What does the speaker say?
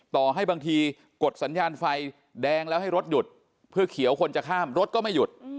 ต่อให้บางทีกดสัญญาณไฟแดงแล้วให้รถหยุดเพื่อเขียวคนจะข้ามรถก็ไม่หยุด